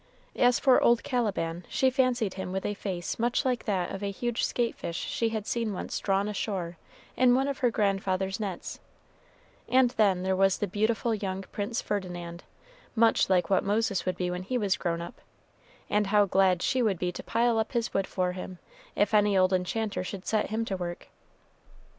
As for old Caliban, she fancied him with a face much like that of a huge skate fish she had once seen drawn ashore in one of her grandfather's nets; and then there was the beautiful young Prince Ferdinand, much like what Moses would be when he was grown up and how glad she would be to pile up his wood for him, if any old enchanter should set him to work!